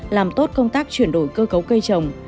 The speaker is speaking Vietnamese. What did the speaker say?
làm tốt công tác chuyển đổi cơ cấu cây trồng